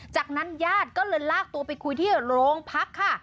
จากนั้นญาติก็เลยลากตัวไปคุยที่โรงพักค่ะ